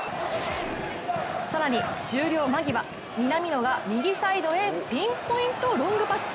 更に終了間際南野が右サイドへピンポイントロングパス。